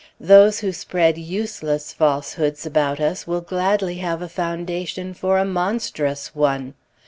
Those who spread useless falsehoods about us will gladly have a foundation for a monstrous one.